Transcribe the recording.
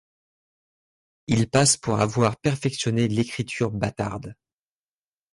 Il passe pour avoir perfectionné l'écriture bâtarde.